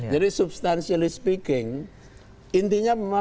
jadi substantially speaking intinya mengatakan